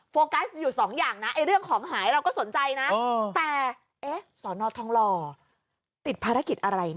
โฟกัสอยู่สองอย่างนะเรื่องของหายเราก็สนใจนะแต่เอ๊ะสอนอทองหล่อติดภารกิจอะไรนะ